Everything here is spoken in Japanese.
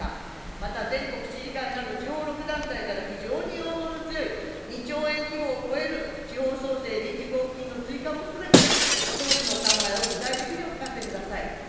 また全国知事会など、地方６団体から非常に要望の強い２兆円規模を超える地方創生臨時交付金の追加も含めて、総理のお考えを具体的にお聞かせください。